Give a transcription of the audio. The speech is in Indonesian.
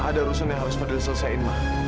ada urusan yang harus fadil selesaiin ma'am